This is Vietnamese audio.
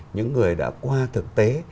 những người đã qua thực tế